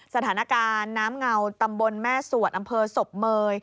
สถานการณ์น้ำเงาตำบลแม่สวดอำเภอศพเมย